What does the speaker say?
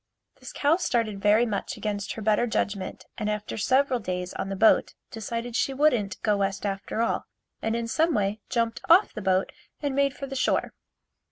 This cow started very much against her better judgment and after several days on the boat decided she wouldn't go west after all and in some way jumped off the boat and made for the shore.